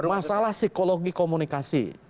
masalah psikologi komunikasi